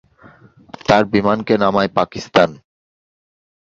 তার বিমানকে নামায় পাকিস্তান।